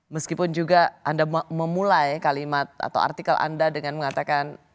meskipun juga anda memulai kalimat atau artikel anda dengan mengatakan